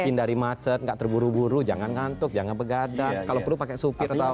hindari macet nggak terburu buru jangan ngantuk jangan begadang kalau perlu pakai supir atau